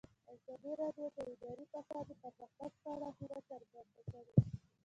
ازادي راډیو د اداري فساد د پرمختګ په اړه هیله څرګنده کړې.